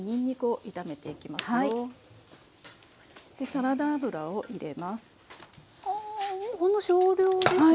サラダ油を入れます。